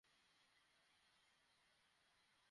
তোমার পোশাকে কত গন্ধ আর তোমার মুখে পানের গন্ধ থাকে।